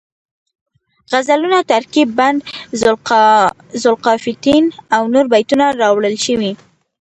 غزلونه، ترکیب بند ذوالقافیتین او نور بیتونه راوړل شوي